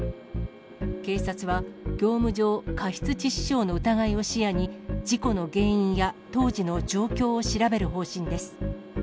警察は業務上過失致死傷の疑いを視野に、事故の原因や当時の状況を調べる方針です。